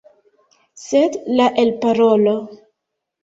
Sed la elparolo!